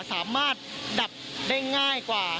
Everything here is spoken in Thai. สามารถดับได้ง่ายกว่า